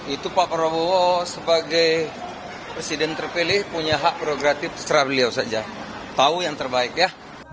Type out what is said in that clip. itu pak prabowo sebagai presiden terpilih punya hak progratif secara beliau saja tahu yang terbaik ya